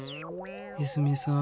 泉さん。